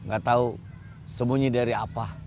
gak tahu sembunyi dari apa